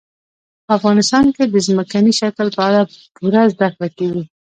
په افغانستان کې د ځمکني شکل په اړه پوره زده کړه کېږي.